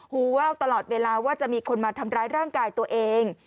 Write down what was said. ว่าวตลอดเวลาว่าจะมีคนมาทำร้ายร่างกายตัวเอง